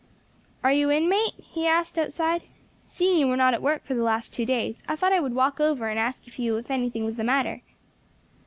"Are you in, mate?" he asked, outside. "Seeing you were not at work for the last two days, I thought I would walk over and ask you if anything was the matter."